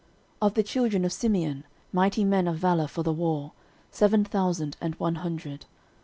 13:012:025 Of the children of Simeon, mighty men of valour for the war, seven thousand and one hundred.